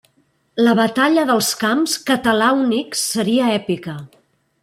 La Batalla dels Camps Catalàunics seria èpica.